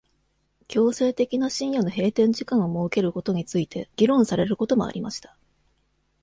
強制的な深夜の閉店時間を設けることについて議論されることもありました。